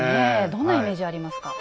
どんなイメージありますか？